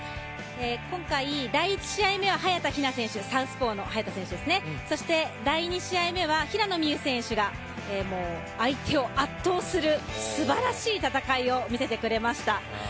今回、第１試合目は早田ひな選手、サウスポーの早田選手そして第２試合目は平野美宇選手が相手を圧倒するすばらしい戦いを見せてくれました。